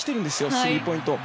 スリーポイントを。